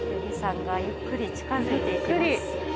八木さんがゆっくり近づいていきます。